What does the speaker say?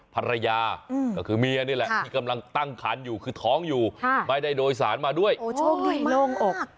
ภรรยาก็คือเมียนี่แหละที่กำลังตั้งคันอยู่คือท้องอยู่ไม่ได้โดยสารมาด้วยโอ้โชคดีโล่งอก